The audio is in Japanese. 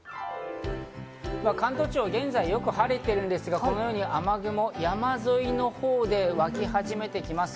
関東地方は現在よく晴れているんですが、このように雨雲が山沿いのほうで湧き始めてきます。